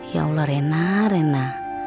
ya allah rena